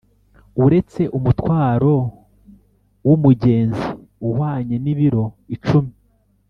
uretse umutwaro wu mugenzi uhwanye nibiro icumi